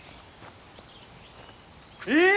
えっ！